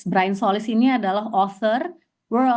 brian solis ini adalah author